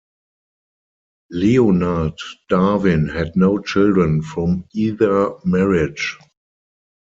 Leonard Darwin had no children from either marriage.